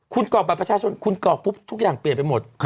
คุณกรอกบัตรประชาชนคุณกรอกปุ๊บทุกอย่างเปลี่ยนไปหมด